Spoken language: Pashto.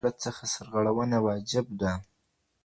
له ظالم دولت څخه سرغړونه واجب ده.